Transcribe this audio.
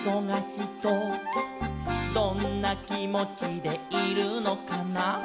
「どんなきもちでいるのかな」